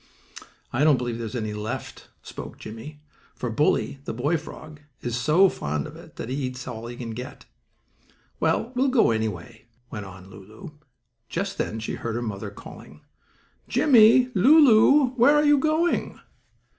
"I don't believe there's any left," spoke Jimmie, "for Bully, the boy frog, is so fond of it that he eats all he can get." "Well, we'll go, anyhow," went on Lulu. Just then she heard her mother calling: "Jimmie! Lulu! Where are you going?"